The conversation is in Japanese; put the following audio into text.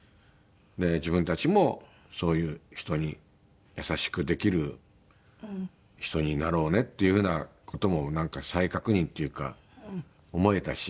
自分たちもそういう人に優しくできる人になろうねっていう風な事もなんか再確認というか思えたし。